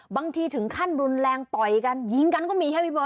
บางทีถึงขั้นรุนแรงต่อยกันยิงกันก็มีใช่ไหมเบอร์